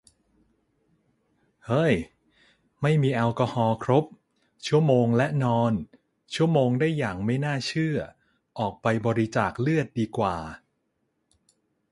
เฮ้ย ไม่มีแอลกอฮอล์ครบ ชั่วโมงและนอน ชั่วโมงได้อย่างไม่น่าเชื่อ ออกไปบริจาคเลือดดีกว่า